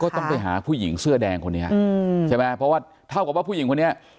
ต้องไปหาผู้หญิงเสื้อแดงคนนี้ใช่ไหมเพราะว่าเท่ากับว่าผู้หญิงคนนี้